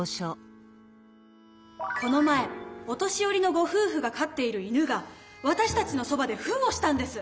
この前お年寄りのごふうふが飼っている犬がわたしたちのそばでふんをしたんです。